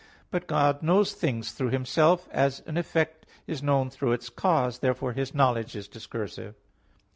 But God knows things through Himself; as an effect (is known) through its cause. Therefore His knowledge is discursive.